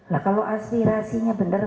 nah kalau aspirasinya bener